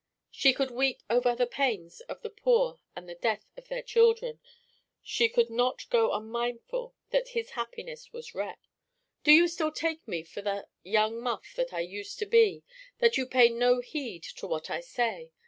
She could weep over the pains of the poor and the death of their children. She should not go unmindful that his happiness was wrecked. "Do you still take me for the young muff that I used to be, that you pay no heed to what I say?